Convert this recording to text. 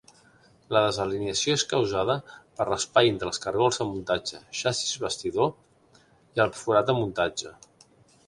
La desalineació és causada per l'espai entre els cargols de muntatge xassís-bastidor i el forat de muntatge.